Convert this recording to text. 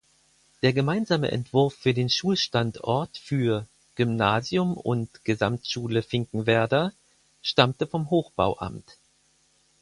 Der gemeinsame Entwurf für den Schulstandort für "Gymnasium und Gesamtschule Finkenwerder" stammte vom Hochbauamt.